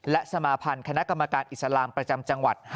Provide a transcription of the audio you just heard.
และสมาพันธ์คณะกรรมการอิสลามประจำจังหวัด